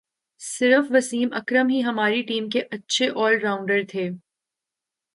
صرف وسیم اکرم ہی ہماری ٹیم کے اچھے آل راؤنڈر تھے